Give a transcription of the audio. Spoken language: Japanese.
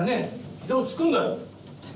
膝をつくんだよ」